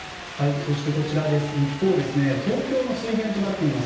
そして、一方東京の水源となっています